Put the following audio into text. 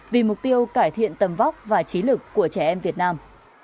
vì mục tiêu cải thiện tầm vóc và trí lực của trẻ em việt nam